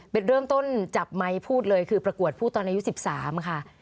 เป็นเริ่มต้นจับไมค์พูดเลยคือประกวดพูดตอนอายุ๑๓ค่ะ